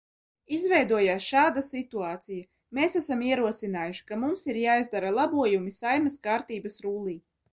Izveidojās šāda situācija: mēs esam ierosinājuši, ka mums ir jāizdara labojumi Saeimas kārtības rullī.